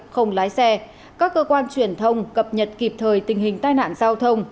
không lái xe các cơ quan truyền thông cập nhật kịp thời tình hình tai nạn giao thông